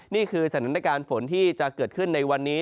นี่คือสถานการณ์ฝนที่จะเกิดขึ้นในวันนี้